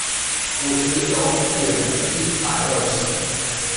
五十九點一百二十